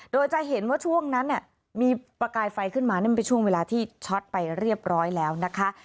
โดยจะเห็นว่าช่วงนั้นมีประกายไฟขึ้นมานี่มันเป็นช่วงเวลาที่ช็อตไปเรียบร้อยแล้วนะคะ